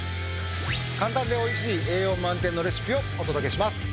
簡単でおいしい栄養満点のレシピをお届けします。